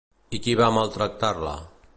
I qui va maltractar-la?